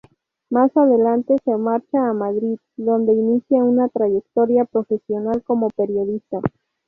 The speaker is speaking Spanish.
Más adelante se marcha a Madrid, dónde inicia una trayectoria profesional como periodista.